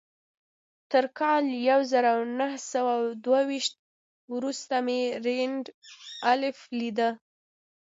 تر کال يو زر و نهه سوه دوه ويشت وروسته مې رينډالف ليده.